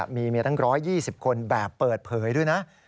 มีเมียตั้ง๑๒๐คนแบบเปิดเผยด้วยนะ